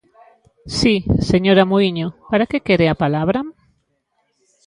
Si, señora Muíño, ¿para que quere a palabra?